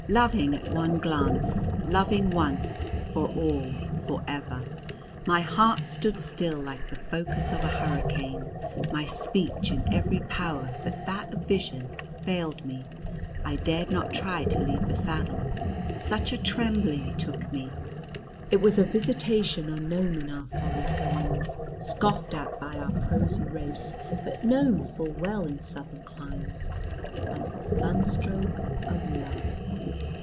Loving at one glance, loving once, for all, for ever, my heart stood still like the focus of a hurricane; my speech and every power but that of vision failed me. I dared not try to leave the saddle, such a trembling took me. It was a visitation unknown in our foggy plains, scoffed at by our prosy race, but known full well in Southern climes, as the sunstroke of love.